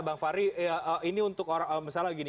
bang fahri ini untuk orang misalnya gini